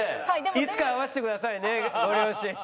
いつか会わせてくださいねご両親に。